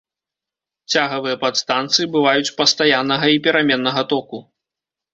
Цягавыя падстанцыі бываюць пастаяннага і пераменнага току.